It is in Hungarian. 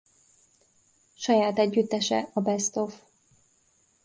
Saját együttese a Best Of.